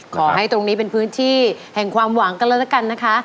ขอให้ตรงนี้เป็นพื้นที่แห่งความหวังกันแล้วละกันนะคะ